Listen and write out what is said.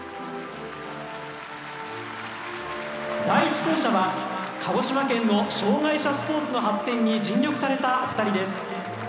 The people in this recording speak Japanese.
第１走者は鹿児島県の障害者スポーツの発展に尽力されたお二人です。